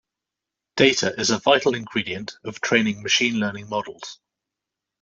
Data is a vital ingredient of training machine learning models.